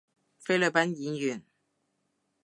菲律賓演員